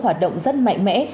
hoạt động rất mạnh mẽ